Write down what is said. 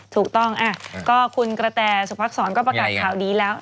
ถูกต้องก็คุณกระแตสุพักษรก็ประกาศข่าวดีแล้ว